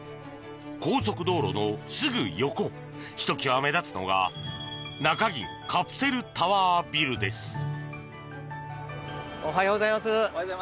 高速道路のすぐ横ひときわ目立つのが中銀カプセルタワービルです。